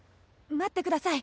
待ってください。